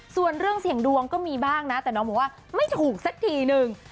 ส่วนเรื่องเสี่ยงดวงก็มีบ้างนะแต่น้องบอกว่าไม่ถูกสักทีนึง